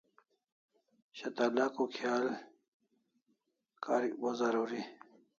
shatalako khial karik bo zaruri